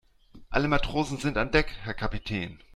Alle Matrosen sind an Deck, Herr Kapitän.